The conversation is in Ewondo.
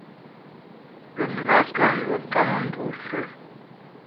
Dzom lə akǝkǝ nlo mfag mbum a sə.